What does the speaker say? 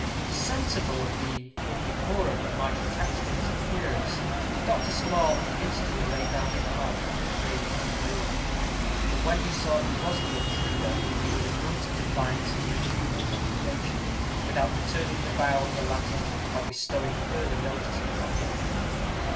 Sensible of the indecorum that might attach to his appearance, Dr. Small had hastily laid down his pipe, and arranged his wig. But when he saw who was the intruder, with a grunt of defiance he resumed his occupation, without returning the bow of the latter, or bestowing further notice upon him.